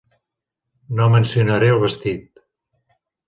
No mencionaré el vestit.